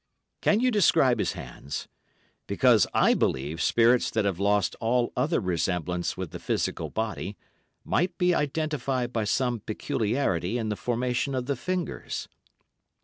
Can you describe his hands? Because I believe spirits that have lost all other resemblance with the physical body might be identified by some peculiarity in the formation of the fingers."